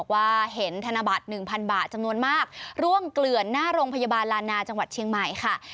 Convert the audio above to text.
ว่าเห็นธนบัตร๑๐๐บาทจำนวนมากร่วงเกลื่อนหน้าโรงพยาบาลลานาจังหวัดเชียงใหม่ค่ะ